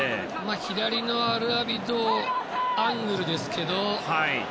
左のアルアビドのアングルですけど。